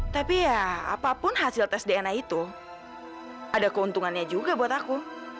tapi ya apapun hasil tes dna itu ada keuntungannya juga buat aku